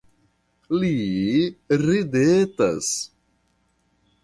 Li ridetas.